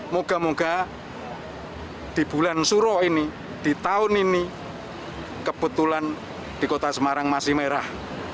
moga moga di bulan suro ini di tahun ini kebetulan di kota semarang masih merah